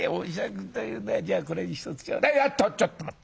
あっちょっと待って。